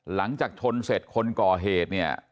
หลังจากชนเสร็จคนก่อเหตุเนี่ย